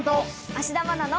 芦田愛菜の。